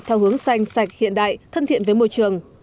theo hướng xanh sạch hiện đại thân thiện với môi trường